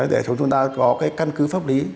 để chúng ta có căn cứ pháp lý